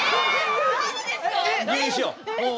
入院しよう。